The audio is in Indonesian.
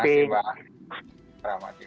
terima kasih mbak